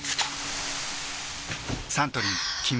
サントリー「金麦」